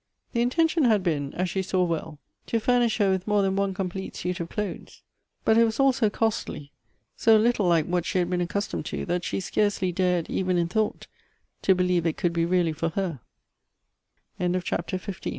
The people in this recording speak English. The intention had been, as she saw well, to furnish her with more than one complete suit of clothes : but it was all so costly, so little like what she had been accustomed to, that she scarcely dared, even in thought, to believe it